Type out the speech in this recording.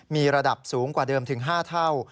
มีระดับสูงกว่าเดิมถึง๕เท่า